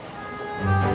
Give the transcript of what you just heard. tidak ada apa apa